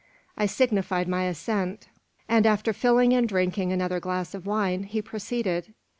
I signified my assent; and after filling and drinking another glass of wine, he proceeded.